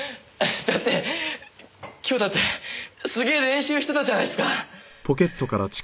だって今日だってすげえ練習してたじゃないっすか。